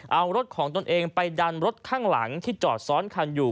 เอารถของตนเองไปดันรถข้างหลังที่จอดซ้อนคันอยู่